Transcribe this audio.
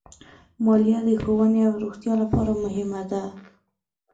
مالیه د ښوونې او روغتیا لپاره مهمه ده.